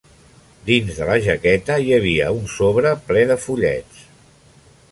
Dins de la jaqueta hi havia un sobre ple de fullets.